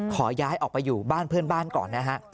ขอย้ายออกไปอยู่บ้านเพื่อนบ้านก่อนนะฮะ